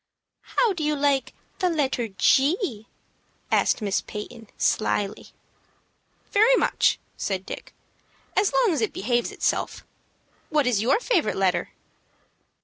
"How do you like the letter G?" asked Miss Peyton, slyly. "Very much," said Dick, "as long as it behaves itself. What is your favorite letter?"